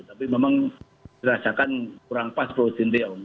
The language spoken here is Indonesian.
tapi memang dirasakan kurang pas produksi sintayong